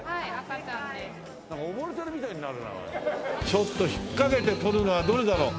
ちょっと引っかけて取るのはどれだろう？